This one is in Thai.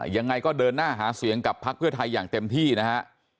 ยังไงก็เดินหน้าหาเสียงกับพักเพื่อไทยอย่างเต็มที่นะฮะ